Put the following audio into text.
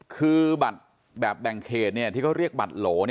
คือบัตรแบบแบ่งเขตที่เขาเรียกบัตรโหล